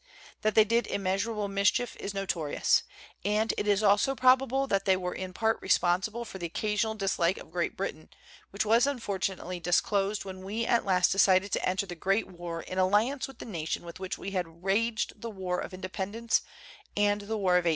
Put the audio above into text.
That they did immeasurable mischief is noto rious; and it is also probable that they were in part responsible for the occasional dislike of Great Britain which was unfortunately dis closed when we at last decided to enter the Great War in alliance with the nation with which we had waged the War of Independence and the War of 1812.